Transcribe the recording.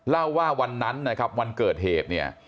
เล่าว่าวันนั้นนะครับวันเกิดเหตุเนี่ย